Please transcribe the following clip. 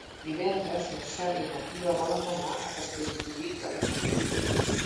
Divendres na Cel i na Tura volen anar a Castellfollit del Boix.